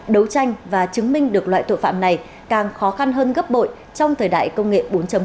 đấu tranh và chứng minh được loại tội phạm này càng khó khăn hơn gấp bội trong thời đại công nghệ bốn